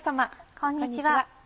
こんにちは。